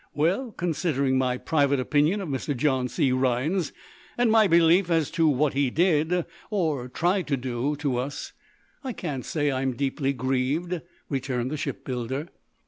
"Well, considering my private opinion of Mr. John C. Rhinds, and my belief as to what he did or tried to do to us, I can't say I'm deeply grieved," returned the shipbuilder.